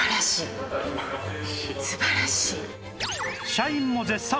社員も絶賛！